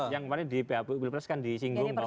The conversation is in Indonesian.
yang kemarin di phpu pilpres kan disinggung bahwa